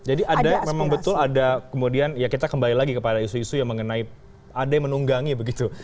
jadi memang betul ada kemudian ya kita kembali lagi kepada isu isu yang mengenai ada yang menunggangi begitu